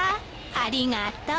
ありがとう。